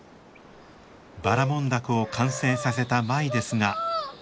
ばらもん凧を完成させた舞ですが。